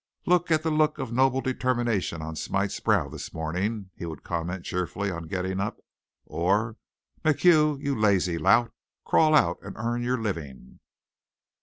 "Look at the look of noble determination on Smite's brow this morning," he would comment cheerfully on getting up; or "MacHugh, you lazy lout, crawl out and earn your living."